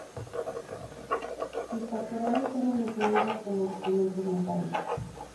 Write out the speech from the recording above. Sus pastorales fueron definidas como documentos notables.